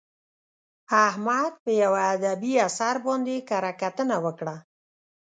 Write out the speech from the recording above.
احمد په یوه ادبي اثر باندې کره کتنه وکړه.